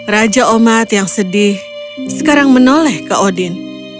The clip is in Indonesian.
raja omat yang sedih sekarang menoleh ke odin